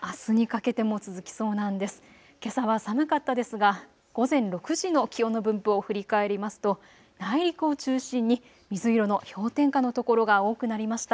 けさは寒かったですが午前６時の気温の分布を振り返りますと内陸を中心に水色の氷点下の所が多くなりました。